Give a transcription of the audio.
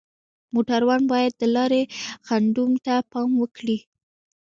موټروان باید د لارې خنډونو ته پام وکړي.